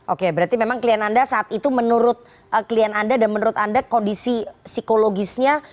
oke berarti memang klien anda saat itu menurut klien anda dan menurut anda kondisi psikologisnya